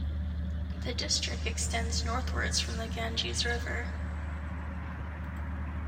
The district extends northwards from the Ganges river.